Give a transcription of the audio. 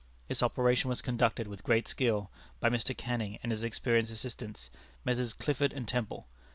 This operation was conducted with great skill by Mr. Canning and his experienced assistants, Messrs. Clifford and Temple.